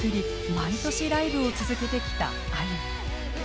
毎年ライブを続けてきたあゆ。